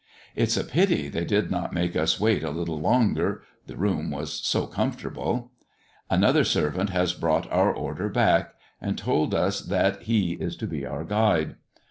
It's a pity they did not make us wait a little longer, the room was so comfortable. Another servant has brought our order back, and told us that he is to be our guide.